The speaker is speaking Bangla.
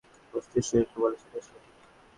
মস্তিষ্ক যেটা বলে, সেটাই সঠিক।